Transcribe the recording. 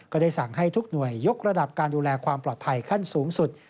ก็ได้สั่งให้ทุกหน่วยยกระดับการดูแลความปลอดภัยขั้นสูงสุด